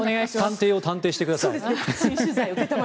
探偵を探偵してください。